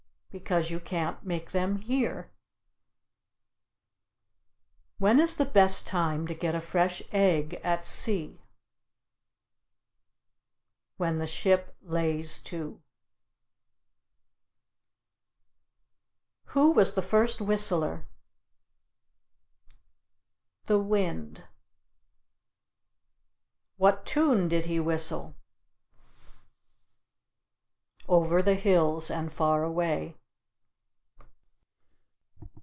Because you can't make them here. When is the best time to get a fresh egg at sea? When the ship lays to. Who was the first whistler? The wind. What tune did he whistle? Over the hills and far away.